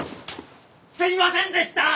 すいませんでしたー！